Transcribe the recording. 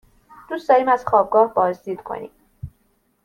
دوست داریم از خوابگاه بازدید کنیم.